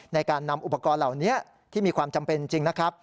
ในการนำอุปกรณ์เหล่านี้ที่มีความจำเป็นจริงนะครับ